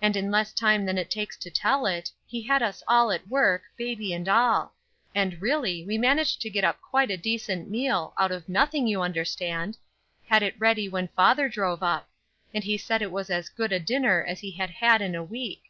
"And in less time than it takes to tell it, he had us all at work, baby and all; and, really, we managed to get up quite a decent meal, out of nothing, you understand; had it ready when father drove up; and he said it was as good a dinner as he had had in a week.